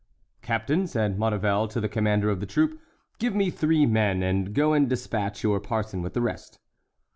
"Captain," said Maurevel to the commander of the troop, "give me three men, and go and despatch your parson with the rest."